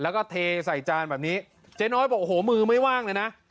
แล้วก็เทใส่จานแบบนี้เจ๊น้อยบอกโอ้โหมือไม่ว่างเลยนะ